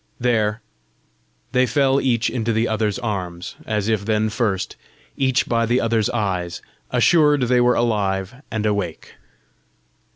There they fell each into the other's arms, as if then first, each by the other's eyes, assured they were alive and awake.